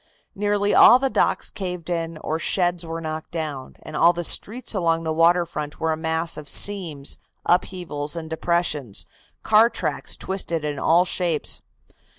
Nearly all the docks caved in or sheds were knocked down, and all the streets along the water front were a mass of seams, upheavals and depressions, car tracks twisted in all shapes.